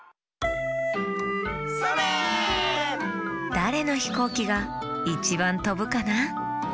だれのひこうきがいちばんとぶかな？